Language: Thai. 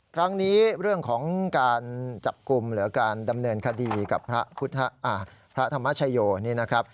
ครั้งนี้เรื่องของการจับกลุ่มหรือการดำเนินคดีกับพระธรรมชโยนี่นะครับ